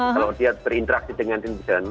kalau dia berinteraksi dengan netizen